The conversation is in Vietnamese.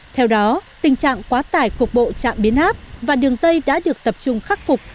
theo đó tình trạng quá tải cục bộ trạm biến áp và đường dây đã được tập trung khắc phục